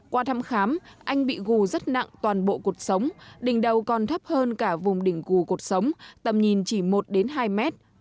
qua thăm khám anh bị gù rất nặng toàn bộ cột sống đỉnh đầu còn thấp hơn cả vùng đỉnh gù cột sống tầm nhìn chỉ một hai mét